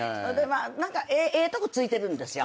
何かええとこついてるんですよ。